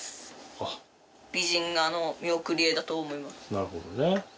なるほどね。